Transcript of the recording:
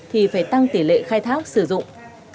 thì phải tăng tỷ lệ khai thác sử dụng